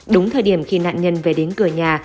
đúng thời điểm khi nạn nhân về đến cửa nhà